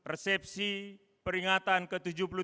resepsi peringatan ke tujuh puluh tiga